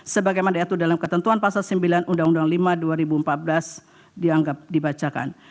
sebagaimana diatur dalam ketentuan pasal sembilan undang undang lima dua ribu empat belas dianggap dibacakan